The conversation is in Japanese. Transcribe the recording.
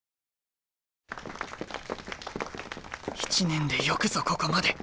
１年でよくぞここまで。